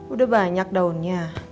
udah banyak daunnya